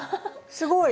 すごい！